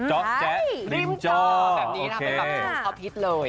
เจ้าแจริมจอแบบนี้ทำเป็นแบบเจ้าพิษเลย